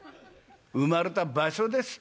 生まれた場所です」。